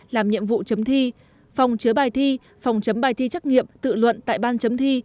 làm nhiệm vụ chấm thi phòng chứa bài thi phòng chấm bài thi trắc nghiệm tự luận tại ban chấm thi